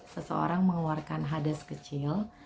seseorang mengeluarkan hades kecil